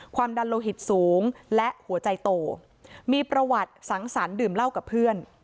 ความดันโลหิตสูงและหัวใจโตมีประวัติสังสรรค์ดื่มเหล้ากับเพื่อน